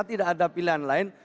tidak ada pilihan lain